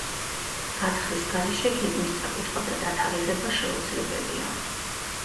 გათხრის გარეშე გეგმის წაკითხვა და დათარიღება შეუძლებელია.